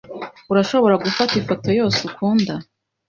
Urashobora gufata ifoto yose ukunda.